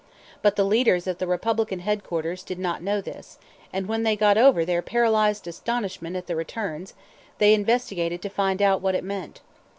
But the leaders at the Republican headquarters did not know this, and when they got over their paralyzed astonishment at the returns, they investigated to find out what it meant.